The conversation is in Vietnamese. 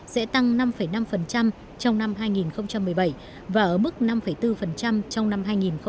sẽ tăng năm năm trong năm hai nghìn một mươi bảy và ở mức năm bốn trong năm hai nghìn một mươi chín